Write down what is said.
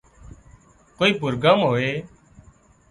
ڪوئي پروگرام هوئي